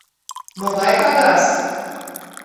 Могай кагаз?